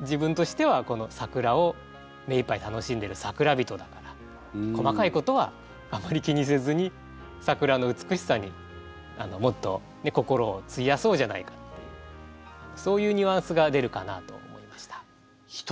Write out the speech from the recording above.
自分としてはこの桜を目いっぱい楽しんでる桜人だから細かいことはあまり気にせずに桜の美しさにもっとね心を費やそうじゃないかっていうそういうニュアンスが出るかなと思いました。